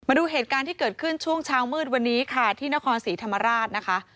ดูเหตุการณ์ที่เกิดขึ้นช่วงเช้ามืดวันนี้ค่ะที่นครศรีธรรมราชนะคะ